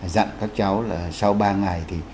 dặn các cháu là sau ba ngày thì